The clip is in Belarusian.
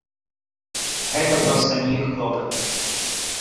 Гэта проста не іх клопаты.